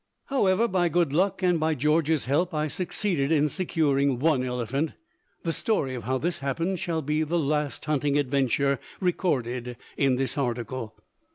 However, by good luck and by George's help, I succeeded in securing one elephant. The story of how this happened shall be the last hunting adventure recorded in this article.